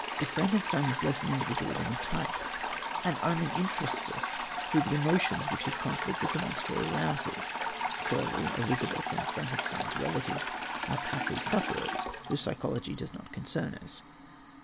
Frankenstein is less an individual than a type, and only interests us through the emotions which his conflict with the monster arouses. Clerval, Elizabeth and Frankenstein's relatives are passive sufferers whose psychology does not concern us.